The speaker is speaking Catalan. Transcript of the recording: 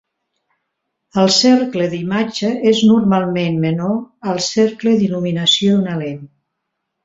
El cercle d'imatge és normalment menor al cercle d'il·luminació d'una lent.